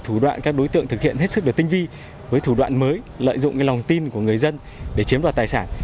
thủ đoạn các đối tượng thực hiện hết sức được tinh vi với thủ đoạn mới lợi dụng lòng tin của người dân để chiếm đoạt tài sản